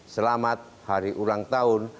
selamat hari ulang tahun